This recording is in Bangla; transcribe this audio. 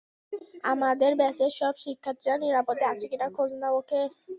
আমাদের ব্যাচের সব শিক্ষার্থীরা নিরাপদে আছে কি না খোঁজ নাও, ওকে?